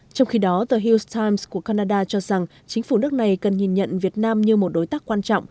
trong khi đó tờ hills times của canada cho rằng chính phủ nước này cần nhìn nhận việt nam như một đối tác quan trọng